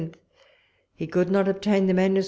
he could not obtain the MS.